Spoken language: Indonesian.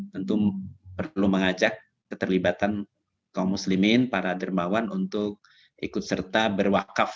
tentu perlu mengajak keterlibatan kaum muslimin para dermawan untuk ikut serta berwakaf